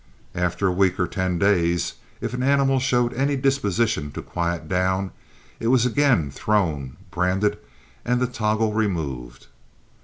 After a week or ten days, if an animal showed any disposition to quiet down, it was again thrown, branded, and the toggle removed.